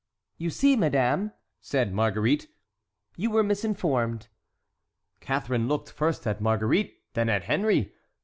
"You see, madame," said Marguerite, "you were misinformed." Catharine looked first at Marguerite, then at Henry.